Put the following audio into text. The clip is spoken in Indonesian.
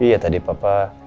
iya tadi papa